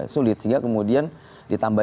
sulit sehingga kemudian ditambah